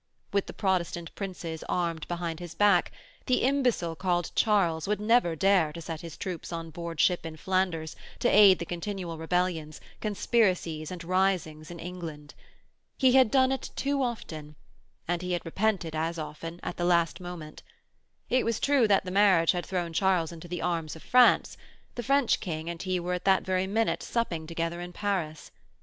With the Protestant Princes armed behind his back, the imbecile called Charles would never dare to set his troops on board ship in Flanders to aid the continual rebellions, conspiracies and risings in England. He had done it too often, and he had repented as often, at the last moment. It was true that the marriage had thrown Charles into the arms of France: the French King and he were at that very minute supping together in Paris.